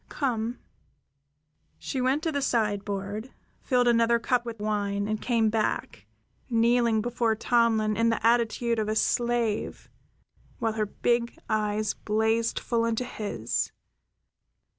Come" she went to the sideboard, filled another cup with wine, and came back, kneeling before Tomlin in the attitude of a slave while her big eyes blazed full into his.